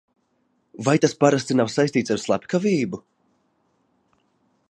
Vai tas parasti nav saistīts ar slepkavību?